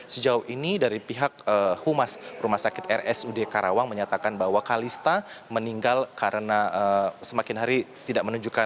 sejauh ini dari pihak humas rumah sakit rsud karawang menyatakan bahwa kalista meninggal karena semakin hari tidak menunjukkan